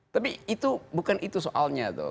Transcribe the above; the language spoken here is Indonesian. tapi itu bukan itu soalnya tuh